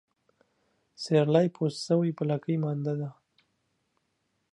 سيرلى پوست سوى ، په لکۍ مانده دى.